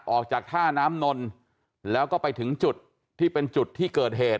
ออกจากท่าน้ำนนแล้วก็ไปถึงจุดที่เป็นจุดที่เกิดเหตุ